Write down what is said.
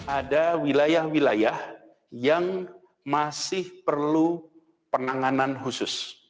ada wilayah wilayah yang masih perlu penanganan khusus